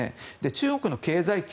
中国の経済圏